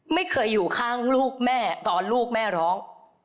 ไม่เคยอยู่ข้างลูกแม่ตอนลูกแม่ร้อง